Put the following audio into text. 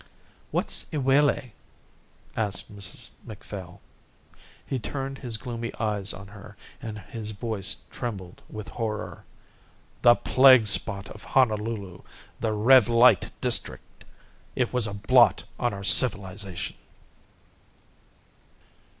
"What's Iwelei?" asked Mrs Macphail. He turned his gloomy eyes on her and his voice trembled with horror. "The plague spot of Honolulu. The Red Light district. It was a blot on our civilisation."